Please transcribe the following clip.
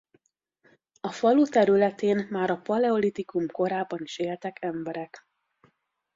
A falu területén már a paleolitikum korában is éltek emberek.